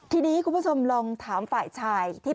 ทีนี้คุณผู้ชมลองทำฝ่ายชาย